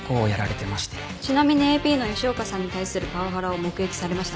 ちなみにＡＰの吉岡さんに対するパワハラを目撃されましたか？